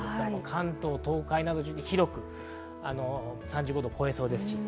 関東・東海など広く３５度を超えそうです。